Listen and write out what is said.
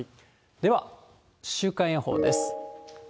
では、週間予報です。